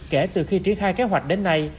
kể từ khi triển khai kế hoạch đến nay